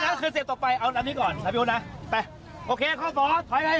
ถ้าพี่จับไปเป็นยังไงเปิดการใช้จรให้เคลียร์ถนนด้วย